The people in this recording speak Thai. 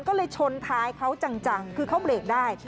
ก็เลยชนท้ายเขาจังคือเขาเบรกได้